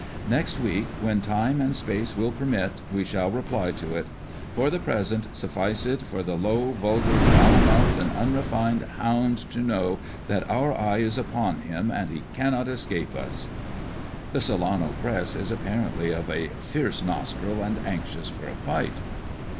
Next week, when time and space will permit, we shall reply to it. For the present, suffice it for the low, vulgar, foul mouthed, and unrefined hound to know that our eye is upon him, and he cannot escape us." The Solano Press is apparently of a " fierce nostril" and anxious for a fight.